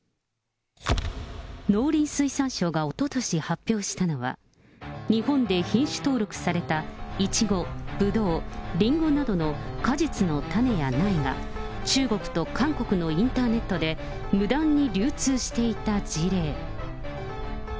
農林水産省がおととし発表したのは、日本で品種登録された、イチゴ、ブドウ、リンゴなどの果実の種や苗が、中国と韓国のインターネットで、無断に流通していた事例。